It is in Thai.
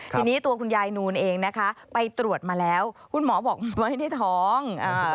ทีนี้ตัวคุณยายนูนเองนะคะไปตรวจมาแล้วคุณหมอบอกไม่ได้ท้อง